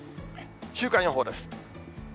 週間予報です。